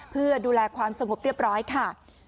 เพื่อดูแลความสงบเรียบร้อยค่ะ